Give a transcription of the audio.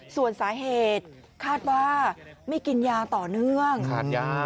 ส่วนสาเหตุคาดว่าไม่กินยาต่อเนื่องขาดยา